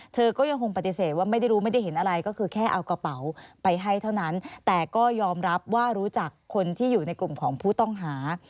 เธอก็ยังคงปฏิเสธว่าไม่ได้รู้ไม่ได้เห็นอะไรก็คือแค่เอากระเป๋าไปให้เท่านั้นแต่ก็ยอมรับว่ารู้จักคนที่อยู่ในกลุ่มของผู้ต้องหา